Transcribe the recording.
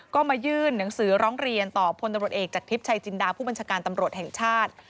ก็มายื่นหนังสือร้องเรียนต่อพลตำรวจเอกจากทริปชัยจินดาผู้บัญชาการตำรวจแห่งชาติ